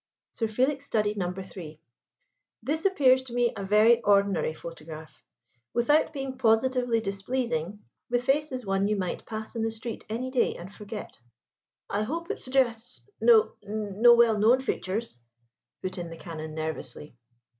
Sir Felix studied No. 3. "This appears to me a very ordinary photograph. Without being positively displeasing, the face is one you might pass in the street any day, and forget." "I hope it suggests no no well known features?" put in the Canon nervously.